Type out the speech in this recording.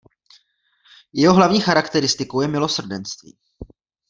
Jeho hlavní charakteristikou je milosrdenství.